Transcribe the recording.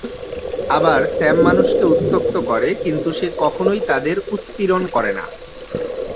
আবার, স্যাম মানুষকে উত্ত্যক্ত করে, কিন্তু সে কখনোই তাদের উৎপীড়ন করে না।